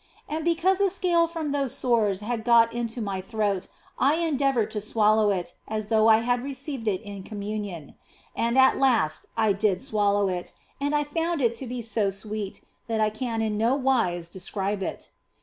And because a scale from those sores had got into my throat I endeavoured to swallow it as though I had re ceived it in communion ; and at last I did swallow it, and I found it to be so sweet that I can in no wise describe it.